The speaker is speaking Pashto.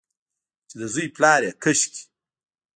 چې د زوی پلا یې کاشکي،